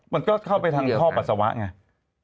มันก็เข้าไปทางท่อปัสสาวะไง